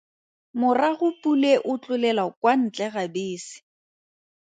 Morago Pule o tlolela kwa ntle ga bese.